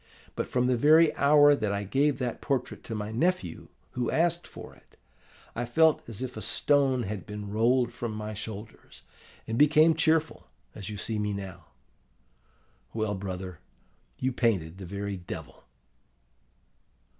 But from the very hour that I gave that portrait to my nephew, who asked for it, I felt as if a stone had been rolled from my shoulders, and became cheerful, as you see me now. Well, brother, you painted the very Devil!